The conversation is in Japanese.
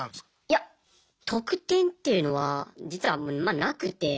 いや特典っていうのは実はあんまなくて。